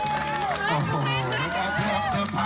ขอบคุณนะครับ